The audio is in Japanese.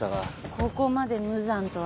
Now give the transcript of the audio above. ここまで無残とはね。